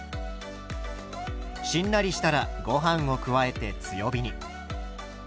しんなりしたらご飯を加えて強火に。